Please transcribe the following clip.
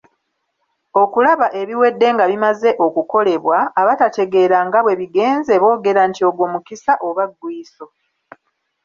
Okulaba ebiwedde nga bimaze okukolebwa, abatategeera nga bwe bigenze boogera nti ogwo mukisa oba ggwiiso.